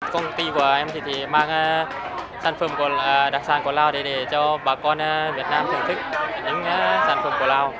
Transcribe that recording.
công ty của em thì mang sản phẩm còn đặc sản của lào đấy để cho bà con việt nam thưởng thức những sản phẩm của lào